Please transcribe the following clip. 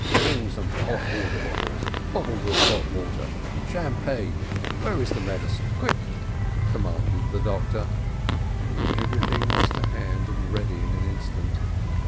Bring some hot water, bottles of hot water! — Champagne! — Where is the medicine? Quick!" commanded the doctor. Everything was to hand and ready in an instant.